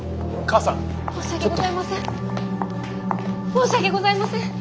申し訳ございません。